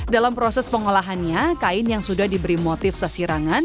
dalam proses pengolahannya kain yang sudah diberi motif sasirangan